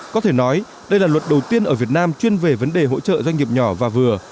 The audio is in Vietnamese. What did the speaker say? có thể nói đây là luật đầu tiên ở việt nam chuyên về vấn đề hỗ trợ doanh nghiệp nhỏ và vừa